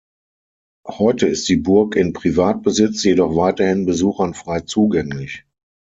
Heute ist die Burg in Privatbesitz, jedoch weiterhin Besuchern frei zugänglich.